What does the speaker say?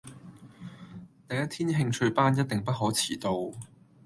第一天興趣班一定不可遲到